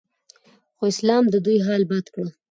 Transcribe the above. خو اسلام ددوی حال بدل کړ